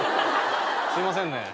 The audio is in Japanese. すいませんね。